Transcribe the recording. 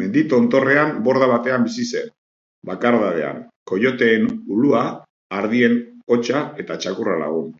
Mendi tontorrean borda batean bizi zen, bakardadean, koioteen ulua, ardien hotsa eta txakurra lagun.